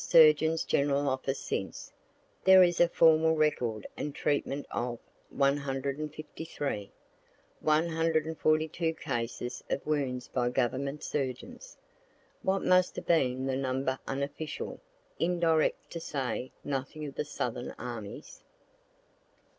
S. Surgeon General's office since, there is a formal record and treatment of 153, 142 cases of wounds by government surgeons. What must have been the number unofficial, indirect to say nothing of the Southern armies?